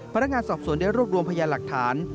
พนักงานสอบสวนได้รวบรวมพยานหลักฐาน